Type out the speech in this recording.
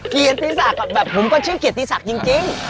อเจมส์มันก็ชื่อเกียรติศักดิ์จริง